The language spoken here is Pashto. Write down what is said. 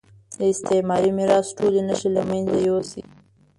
د استعماري میراث ټولې نښې له مېنځه یوسي.